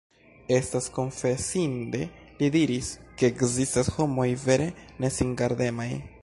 Estas konfesinde, li diris, ke ekzistas homoj vere nesingardemaj.